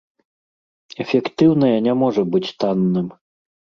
Эфектыўнае не можа быць танным.